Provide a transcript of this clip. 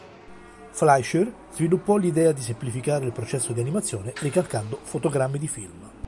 Fleischer sviluppò l'idea di semplificare il processo di animazione ricalcando fotogrammi di film.